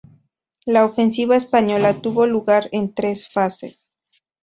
La ofensiva española tuvo lugar en tres fases.